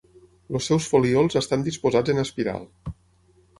Els seus folíols estan disposats en espiral.